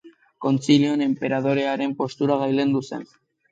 Kontzilioan enperadorearen postura gailendu zen.